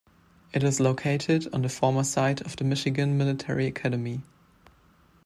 It is located on the former site of the Michigan Military Academy.